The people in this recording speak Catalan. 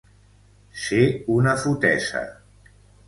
Ser una fotesa.